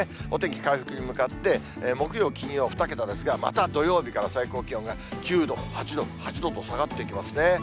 お天気回復に向かって、木曜、金曜２桁ですが、また土曜日から最高気温が９度、８度、８度と、下がっていきますね。